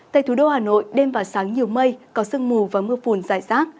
tây thủ đô hà nội đêm và sáng nhiều mây có sương mù và mưa phùn dài rác